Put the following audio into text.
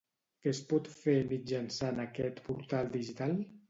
Què es pot fer mitjançant aquest portal digital?